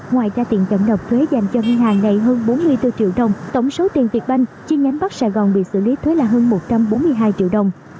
ngoài ra tiền chậm nộp thuế dành cho ngân hàng này hơn bốn mươi bốn triệu đồng tổng số tiền việt banh chi nhánh bắc sài gòn bị xử lý thuế là hơn một trăm bốn mươi hai triệu đồng